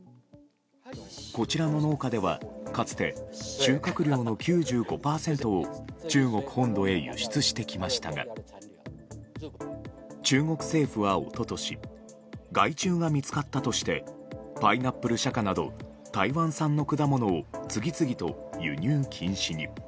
こちらの農家ではかつて収穫量の９５％を中国本土へ輸出してきましたが中国政府は一昨年害虫が見つかったとしてパイナップル釈迦など台湾産の果物を次々と輸入禁止に。